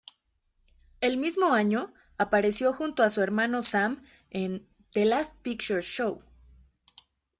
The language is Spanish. El mismo año, apareció junto a su hermano Sam en "The Last Picture Show".